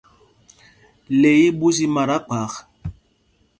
Le í í ɓus i mata kphak.